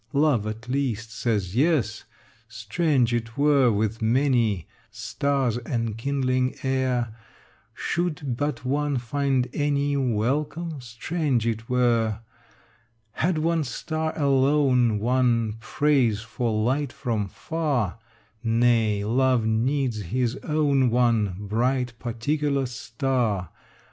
Love, at least, says yes. Strange it were, with many Stars enkindling air, Should but one find any Welcome: strange it were, Had one star alone won Praise for light from far: Nay, love needs his own one Bright particular star.